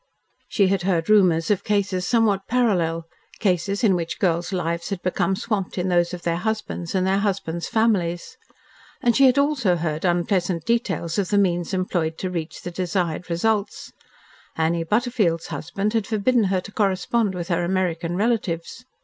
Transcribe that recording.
She had heard rumours of cases somewhat parallel, cases in which girls' lives had become swamped in those of their husbands, and their husbands' families. And she had also heard unpleasant details of the means employed to reach the desired results. Annie Butterfield's husband had forbidden her to correspond with her American relatives.